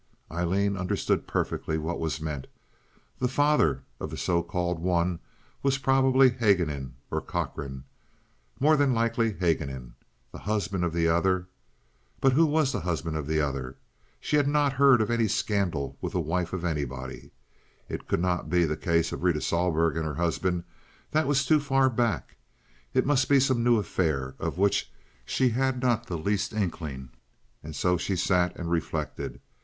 Aileen understood perfectly what was meant. "The father" of the so called "one" was probably Haguenin or Cochrane, more than likely Haguenin. "The husband of the other"—but who was the husband of the other? She had not heard of any scandal with the wife of anybody. It could not be the case of Rita Sohlberg and her husband—that was too far back. It must be some new affair of which she had not the least inkling, and so she sat and reflected.